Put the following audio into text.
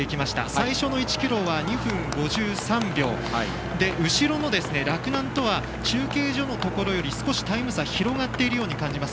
最初の１ｋｍは２分５３秒で後ろの洛南とは中継所のところより少しタイム差広がっているように感じます。